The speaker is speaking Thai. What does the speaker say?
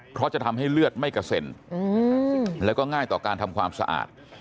เพราะจะทำให้เลือดไม่กระเซ็นแล้วก็ง่ายต่อการทำความสะอาด